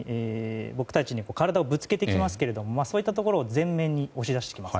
ディフェンスの時に僕たちに体をぶつけてきますけどそういったところを前面に押し出してきます。